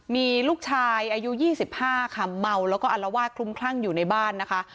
มีลูกชายอายุ๒๕ค่ะเมาแล้วก็อลวาดคลุมคลั่งอยู่ในบ้านนะคะ